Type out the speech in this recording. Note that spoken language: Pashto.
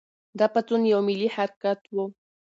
دا پاڅون یو ملي حرکت و.